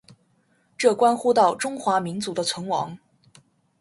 这关乎到中华民族的存亡。